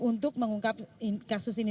untuk mengungkap kasus ini